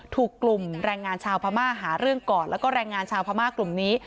ถูกกลุ่มแรงงานชาวพม่าหาเรื่องก่อนแล้วก็แรงงานชาวพม่ากลุ่มนี้